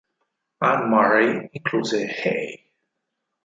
Anne Murray incluse "Hey!